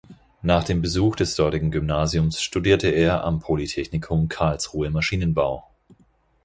Nach dem Besuch des dortigen Gymnasiums studierte er am Polytechnikum Karlsruhe Maschinenbau.